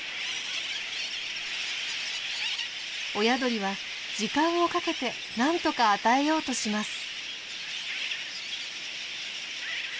親鳥は時間をかけてなんとか与えようとします。